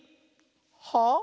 「はあ？」。